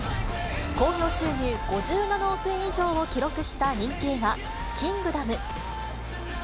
興行収入５７億円以上を記録した人気映画、キングダム。